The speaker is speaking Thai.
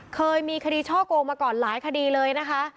เคยมีคดีช่อโกงมาก่อนหลายคดีเลยนะคะ